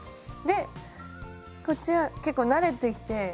でこっちは結構慣れてきて。